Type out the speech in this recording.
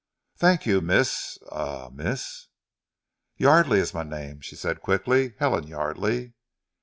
"Thank you, Miss a Miss " "Yardely is my name," she said quickly, "Helen Yardely."